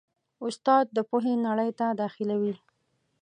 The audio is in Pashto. استاد د پوهې نړۍ ته داخلوي.